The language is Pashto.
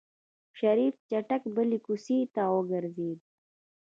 شريف چټک بلې کوڅې ته وګرځېد.